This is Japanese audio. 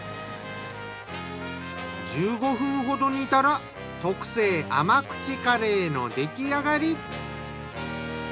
１５分ほど煮たら特製甘口カレーの出来上がり。